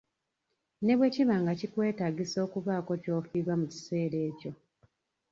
Ne bwe kiba nga kikwetaagisa okubaako ky'ofiirwa mu kiseera ekyo.